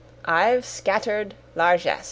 I've scattered largess."